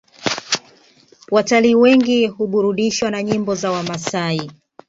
Watalii wengi huburudishwa na nyimbo za wamasai